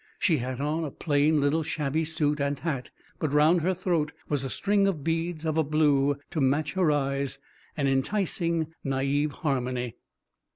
She had on a plain little shabby suit and hat, but round her throat was a string of beads of a blue to match her eyes, an enticing, naive harmony.